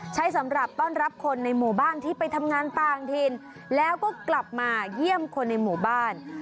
สำหรับต้อนรับคนในหมู่บ้านที่ไปทำงานต่างถิ่นแล้วก็กลับมาเยี่ยมคนในหมู่บ้าน